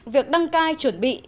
việc đăng cai chuẩn bị